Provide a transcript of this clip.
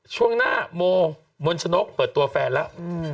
ช่วงหน้าโมมนชนกเปิดตัวแฟนแล้ว